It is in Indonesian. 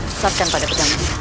susahkan pada pedangmu